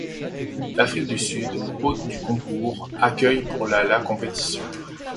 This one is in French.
L'Afrique du Sud, hôte du concours, accueille pour la la compétition.